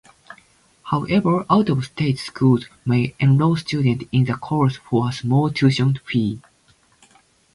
However, out-of-state schools may enroll students in the course for a small tuition fee.